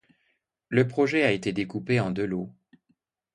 Le projet a été découpé en deux lots.